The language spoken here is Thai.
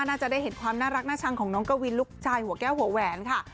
น่าจะได้เห็นความน่ารักน่าชังของน้องกวินลูกชายหัวแก้วหัวแหวนค่ะ